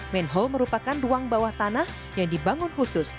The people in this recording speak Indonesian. manhole merupakan ruang bawah tanah yang dibangun khusus